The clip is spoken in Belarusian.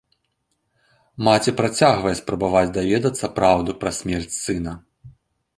Маці працягвае спрабаваць даведацца праўду пра смерць сына.